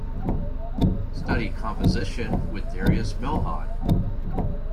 Studied composition with Darius Milhaud.